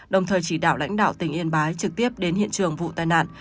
đồng thời chỉ đạo lãnh đạo tỉnh yên bái trực tiếp đến hiện trường vụ tai nạn